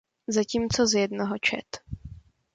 Zatímco z jednoho čet.